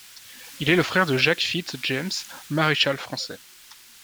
Il est le frère de Jacques Fitz-James, maréchal français.